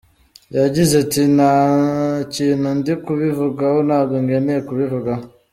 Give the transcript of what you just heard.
Yagize ati “Nta kintu ndi kubivugaho, ntabwo nkeneye kubivugaho.